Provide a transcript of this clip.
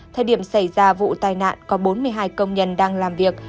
thời điểm xảy ra vụ tai nạn có bốn mươi hai công nhân đang làm việc